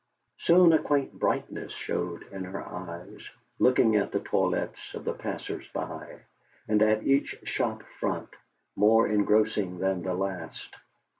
Soon a quaint brightness showed in her eyes, looking at the toilettes of the passers by, and at each shop front, more engrossing than the last.